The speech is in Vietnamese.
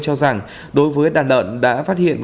cho rằng đối với đàn ợn đã phát hiện